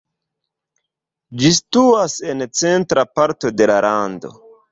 Ĝi situas en centra parto de la lando.